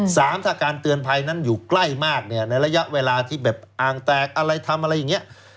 สามถ้าการเตือนภัยนั้นอยู่ใกล้มากเนี่ยในระยะเวลาที่แบบอ่างแตกอะไรทำอะไรอย่างนี้